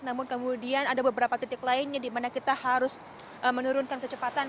namun kemudian ada beberapa titik lainnya di mana kita harus menurunkan kecepatan